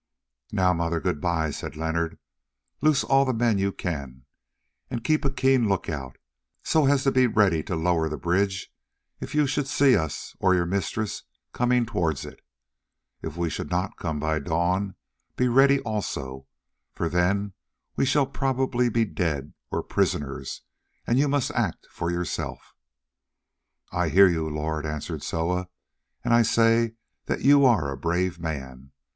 "Now, mother, good bye," said Leonard. "Loose all the men you can, and keep a keen look out, so as to be ready to lower the bridge if you should see us or your mistress coming towards it. If we should not come by dawn, be ready also, for then we shall probably be dead, or prisoners, and you must act for yourself." "I hear you, Lord," answered Soa, "and I say that you are a brave man.